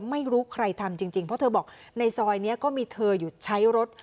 ไม่รู้ใครทำจริงเพราะเธอบอกในซอยนี้ก็มีเธออยู่ใช้รถ